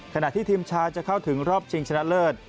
ขณะที่ทีมชายจะเข้าถึงรอบชิงชนะเลิศ